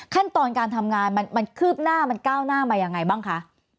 ขั้นตอนการทำงานมันคืบหน้ามันก้าวหน้ามายังไงบ้างคะ